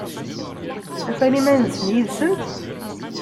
Ufan iman-nsen yid-sent?